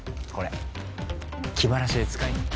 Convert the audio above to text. これ気晴らしで使い